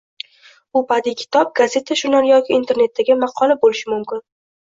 Bu badiiy kitob, gazeta-jurnal yoki internetdagi maqola boʻlishi mumkin